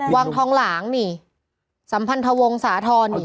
วังทองหลางนี่สัมพันธวงศาธรณ์นี่